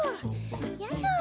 よいしょ。